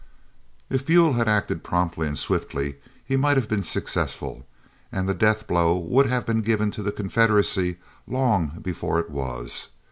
If Buell had acted promptly and swiftly, he might have been successful, and the death blow would have been given to the Confederacy long before it was.